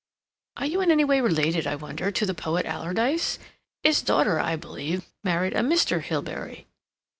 "Are you in any way related, I wonder, to the poet Alardyce? His daughter, I believe, married a Mr. Hilbery."